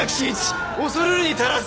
恐るるに足らず！